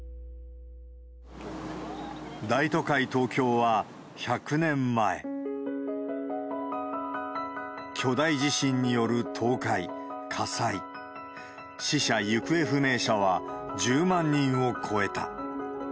大都会、東京は１００年前、巨大地震による倒壊、火災、死者・行方不明者は１０万人を超えた。